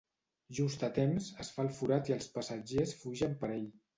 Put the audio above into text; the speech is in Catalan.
Just a temps, es fa el forat i els passatgers fugen per ell.